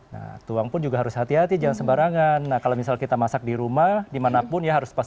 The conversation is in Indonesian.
nah tuang pun juga harus hati hati jangan sembarangan nah kalau misal kita masak di rumah dimanapun ya harus pas